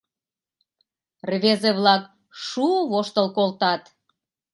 Рвезе-влак шу-у воштыл колтат.